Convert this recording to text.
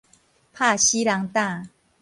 拍死人膽